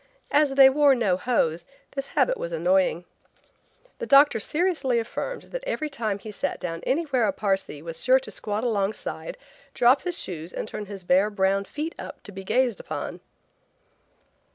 As they wore no hose, this habit was annoying. The doctor seriously affirmed that every time he sat down anywhere a Parsee was sure to squat alongside, drop his shoes and turn his bare, brown feet up to be gazed upon.